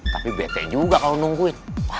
tapi bete juga kalau nungguin